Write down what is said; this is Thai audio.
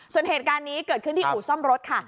ส่วนเหตุการณ์นี้เกิดขึ้นที่อู่ซ่อมรถค่ะ